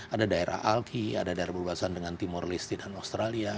ada daerah alki ada daerah berbatasan dengan timur leste dan australia